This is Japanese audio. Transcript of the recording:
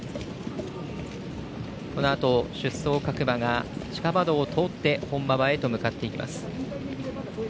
このあと出走各馬が地下馬道を通って本馬場へと向かっていきます。